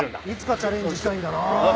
いつかチャレンジしたいんだな。